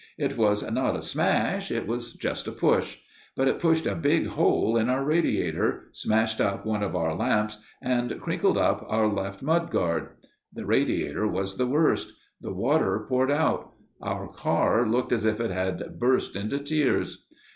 It was not a smash it was just a push. But it pushed a big hole in our radiator, smashed up one of our lamps, and crinkled up our left mud guard. The radiator was the worst. The water poured out. Our car looked as if it had burst into tears.